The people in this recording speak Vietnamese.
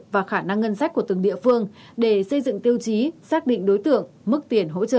và khả năng ngân sách của từng địa phương để xây dựng tiêu chí xác định đối tượng mức tiền hỗ trợ